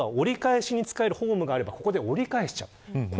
あるいは、折り返しに使うホームがあれば折り返しちゃう。